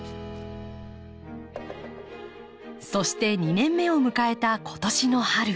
そして２年目を迎えた今年の春。